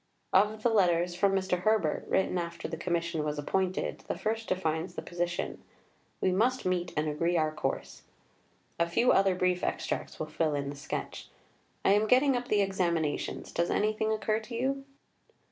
Of the letters from Mr. Herbert, written after the Commission was appointed, the first defines the position: "We must meet and agree our course." A few other brief extracts will fill in the sketch. "I am getting up the examinations; does anything occur to you?"